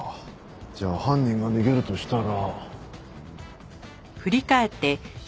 じゃあ犯人が逃げるとしたら。